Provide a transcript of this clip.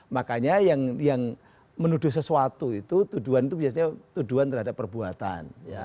makanya yang menuduh sesuatu itu biasanya tuduhan terhadap perbuatan